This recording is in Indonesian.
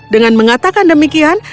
dengan mengatakan demikian